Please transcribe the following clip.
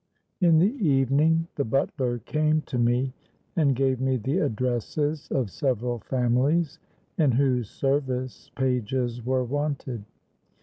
"In the evening the butler came to me, and gave me the addresses of several families in whose service pages were wanted.